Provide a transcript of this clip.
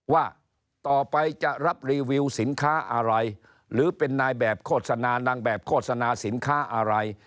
ว่าต่อไปจะรับรีวิวสินค้าอะไรหรือเป็นนายแบบโฆษณานางแบบโฆษณาสินค้าอะไร